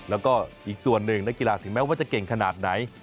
แล้วก็อีกส่วนหนึ่งนักกีฬาถึงแม้ว่าจะเก่งขนาดไหน